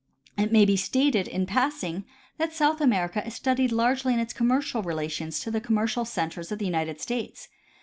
It may be stated, in passing, that South America is studied largely in its commer . Study of Foreign Countries. 151 cial relations to the commercial centers of the United States.